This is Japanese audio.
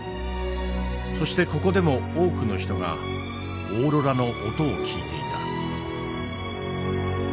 そしてここでも多くの人がオーロラの音を聞いていた。